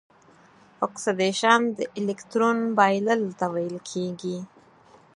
اکسیدیشن د الکترون بایلل ویل کیږي.